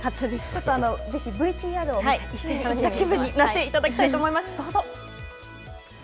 ちょっとぜひＶＴＲを見て一緒に行った気分になっていただきたいと思います